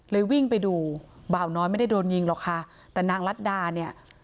วิ่งไปดูบ่าวน้อยไม่ได้โดนยิงหรอกค่ะแต่นางรัฐดาเนี่ย